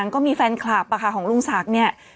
ก็มีแฟนคลับประคาของลุงสักเนี่ย